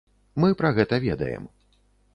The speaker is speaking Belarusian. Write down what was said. Мы пра гэта ведаем.